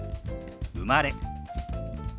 「生まれ」。